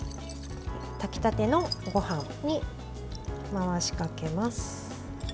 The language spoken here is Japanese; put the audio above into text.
炊きたてのごはんに回しかけます。